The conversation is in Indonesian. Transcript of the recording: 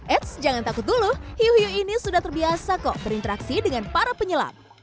eits jangan takut dulu hiu hiu ini sudah terbiasa kok berinteraksi dengan para penyelam